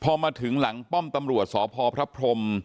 พอมาถึงหลังป้อมตำรวจสพพระพรม